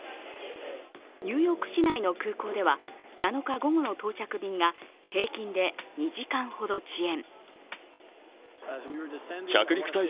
ニューヨーク市内の空港では７日午後の到着便が平均で２時間ほど遅延。